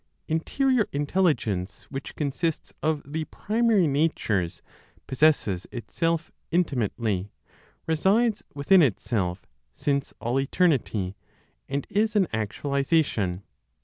Interior Intelligence, which consists of the primary (natures) possesses itself intimately, resides within itself since all eternity, and is an actualization.